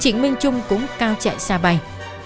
chính minh chung cũng cao chạy xa bay